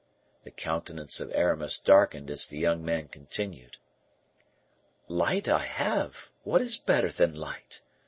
The countenance of Aramis darkened as the young man continued: "Light I have! what is better than light?